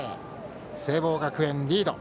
聖望学園、リード。